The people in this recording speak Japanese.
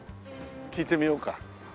聞いてみようか。